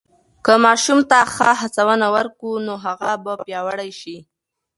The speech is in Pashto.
که ماشوم ته ښه هڅونه ورکو، نو هغه به پیاوړی شي.